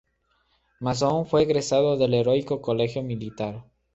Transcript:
Mazón fue egresado del Heroico Colegio Militar.